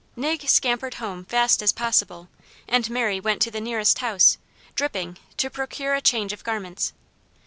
Nig scampered home fast as possible, and Mary went to the nearest house, dripping, to procure a change of garments.